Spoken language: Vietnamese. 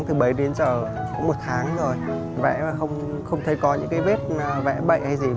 từ bấy đến giờ cũng một tháng rồi vẽ mà không thấy có những cái vết vẽ bậy hay gì